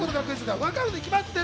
わかるに決まってる。